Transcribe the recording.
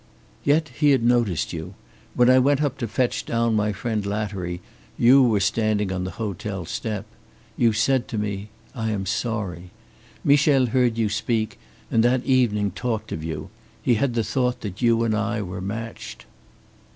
"Yet he had noticed you. When I went up to fetch down my friend Lattery, you were standing on the hotel step. You said to me, 'I am sorry.' Michel heard you speak, and that evening talked of you. He had the thought that you and I were matched."